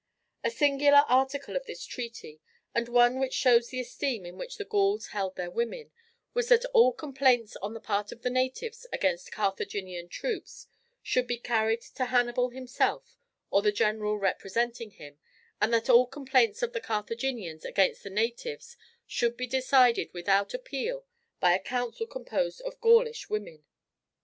A singular article of this treaty, and one which shows the esteem in which the Gauls held their women, was that all complaints on the part of the natives against Carthaginian troops should be carried to Hannibal himself or the general representing him, and that all complaints of the Carthaginians against the natives should be decided without appeal by a council composed of Gaulish women.